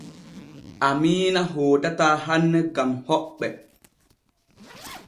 Amiina hootataa hanne gam hoɓɓe.